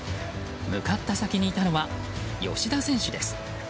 向かった先にいたのは吉田選手です。